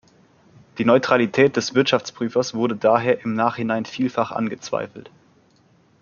Die Neutralität des Wirtschaftsprüfers wurde daher im Nachhinein vielfach angezweifelt.